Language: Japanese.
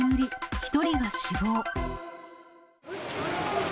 １人が死亡。